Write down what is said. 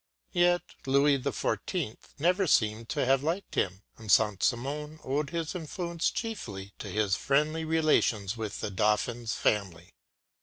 ” Yet Louis XIV. never seems to have liked him, and Saint Simon owed his influence chiefly to his friendly relations with the Dauphin’s family.